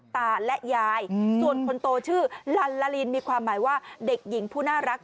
ตาและยายส่วนคนโตชื่อลัลลาลินมีความหมายว่าเด็กหญิงผู้น่ารัก